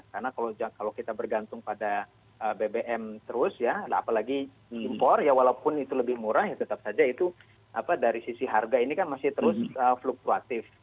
karena kalau kita bergantung pada bbm terus ya apalagi impor ya walaupun itu lebih murah tetap saja itu dari sisi harga ini kan masih terus fluktuatif